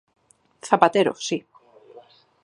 Zapatero, si.